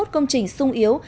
bốn mươi một công trình sung yếu